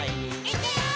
「いくよー！」